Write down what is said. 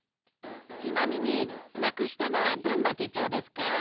ちなみになくしたのはどんなてちょうですか？